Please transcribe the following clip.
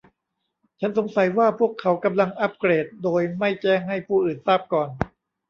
ฉันสงสัยว่าพวกเขากำลังอัปเกรดโดยไม่แจ้งให้ผู้อื่นทราบก่อน